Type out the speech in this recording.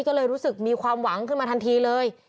ก็เลยรู้สึกมีความหวังขึ้นมาทันทีเลย